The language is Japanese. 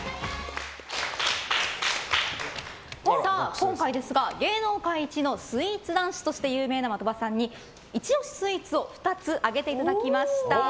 今回ですが、芸能界イチのスイーツ男子として有名な的場さんにイチ押しスイーツを２つ挙げていただきました。